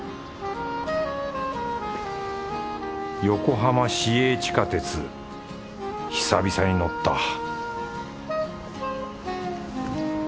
横浜市営地下鉄久々に乗った